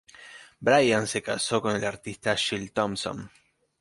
Brian se casó con la artista Jill Thompson.